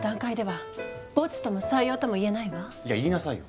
いや言いなさいよ。